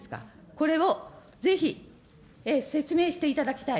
これをぜひ説明していただきたい。